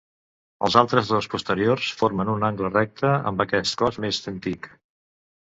Els altres dos, posteriors, formen un angle recte amb aquest cos més antic.